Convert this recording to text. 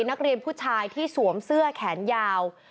นักเรียนผู้ชายที่สวมเสื้อแขนยาว